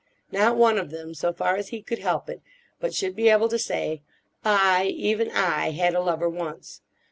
Not one of them, so far as he could help it, but should be able to say: "I—even I had a lover once.